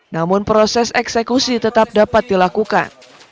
namun proses eksekusi tetap dapat dilakukan